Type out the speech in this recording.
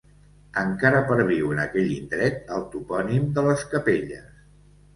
Encara perviu en aquell indret el topònim de les Capelles.